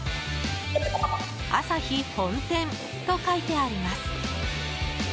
あさひ本店と書いてあります。